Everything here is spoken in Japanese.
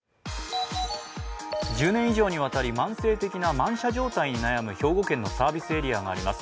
１０年以上にわたり慢性的な満車状態に悩む兵庫県のサービスエリアがあります。